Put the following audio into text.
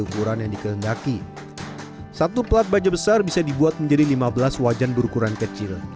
ukuran yang dikehendaki satu plat baja besar bisa dibuat menjadi lima belas wajan berukuran kecil